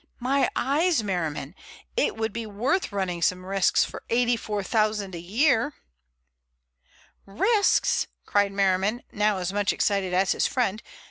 My eyes, Merriman, it would be worth running some risks for £84,000 a year!" "Risks?" cried Merriman, now as much excited as his friend.